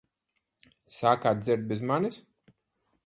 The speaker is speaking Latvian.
Sākāt dzert bez manis?